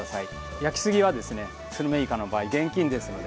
焼きすぎはスルメイカの場合、厳禁ですので。